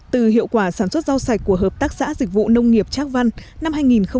từ hiệu quả sản xuất rau sạch của hợp tác xã dịch vụ nông nghiệp trác văn năm hai nghìn một mươi bảy